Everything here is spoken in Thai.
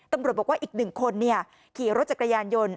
ตำรวจบอกว่าอีก๑คนขี่รถจักรยานยนต์